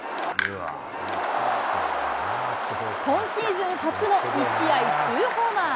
今シーズン初の１試合ツーホーマー。